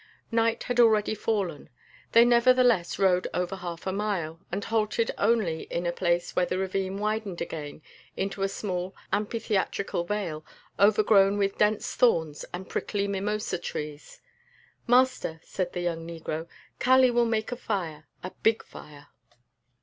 Night had already fallen; they nevertheless rode over half a mile, and halted only in a place where the ravine widened again into a small amphitheatrical vale, overgrown with dense thorns and prickly mimosa trees. "Master," said the young negro, "Kali will make a fire a big fire."